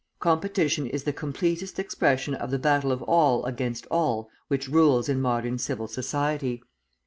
Competition is the completest expression of the battle of all against all which rules in modern civil society.